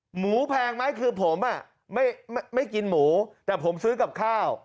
หมูแพงไหมคือผมไม่กินหมูแต่ผมซื้อกับข้าว